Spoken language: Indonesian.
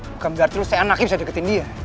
bukan berarti lo seanakin bisa deketin dia